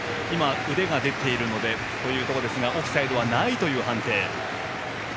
腕が出ているのでというところですがオフサイドはないという判定。